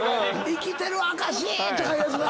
生きてる証し！とかいうやつだ。